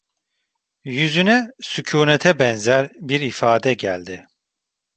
Yüzüne sükunete benzer bir ifade geldi.